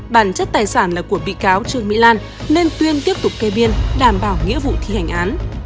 bản chất tài sản là của bị cáo trương mỹ lan nên tuyên tiếp tục kê biên đảm bảo nghĩa vụ thi hành án